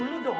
oh ini dong